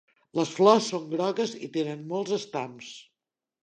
Les flors són grogues i tenen molts estams.